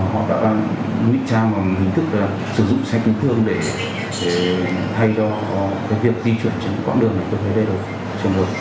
họ đã miễn trang và hình thức sử dụng xe tính thương để thay đo việc di chuyển trên quãng đường